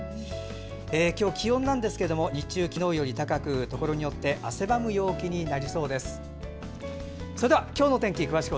今日、気温なんですけれども日中、気温が高くところによって汗ばむ陽気になりそうです。